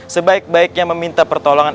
sebaik baiknya meminta pertolongan